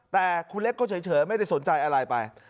แต่คุณเล็กก็เฉยไม่ได้สนใจอะไรไป